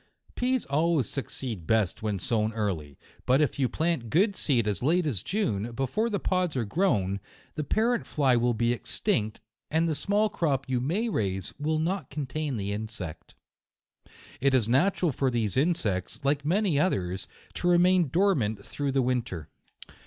Peas always succeed best when sown early ; but if you plant good seed as late as June, before the pods are grown, the parent fly will be extinct, and the small crop you may raise will not contain the insect. It is natural for these insects, like many others, to remain dormant through the win ter.